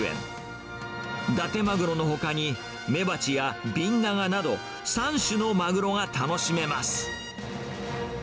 だてまぐろのほかに、メバチやビンナガなど、３種のマグロが楽しめます。